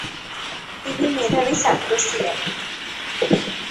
তিনি মেধাবী ছাত্র ছিলেন।